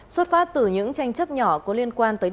sốt phát từ những tranh chấp nhỏ có liên quan tới tài sản